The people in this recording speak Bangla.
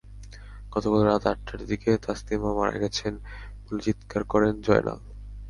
গতকাল রাত আটটার দিকে তাসলিমা মারা গেছেন বলে চিত্কার করেন জয়নাল।